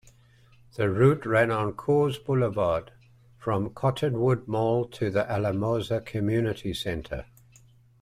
The route ran on Coors Boulevard from Cottonwood Mall to the Alamosa Community Center.